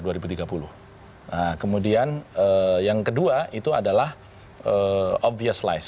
nah kemudian yang kedua itu adalah obvious lies